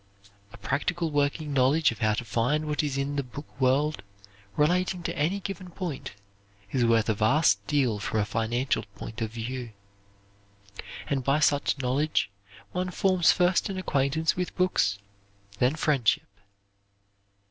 A practical working knowledge of how to find what is in the book world, relating to any given point, is worth a vast deal from a financial point of view. And by such knowledge, one forms first an acquaintance with books, then friendship.